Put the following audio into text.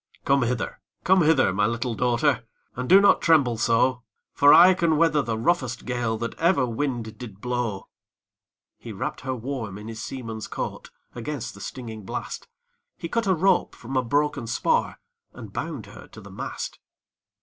'Come hither! come hither! my little daughtèr. And do not tremble so; For I can weather the roughest gale That ever wind did blow.' He wrapp'd her warm in his seaman's coat Against the stinging blast; He cut a rope from a broken spar, And bound her to the mast.